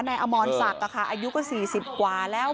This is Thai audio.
อมรศักดิ์อายุก็๔๐กว่าแล้ว